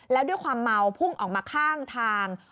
แล้วด้วยความเมาพุ่งออกมาข้างทาง